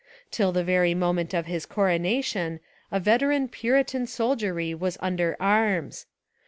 Till the very moment of his coronation a veteran puritan soldiery was un der arms.